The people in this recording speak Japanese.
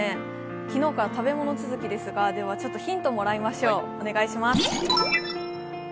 昨日から食べ物続きですがヒントをもらいましょう。